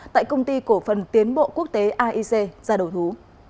tại công ty cổ phần tiến bộ quốc tế aic ra đầu thú